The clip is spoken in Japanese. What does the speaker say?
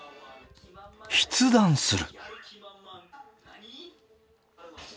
筆談する。